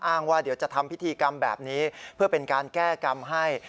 ว่าเดี๋ยวจะทำพิธีกรรมแบบนี้เพื่อเป็นการแก้กรรมให้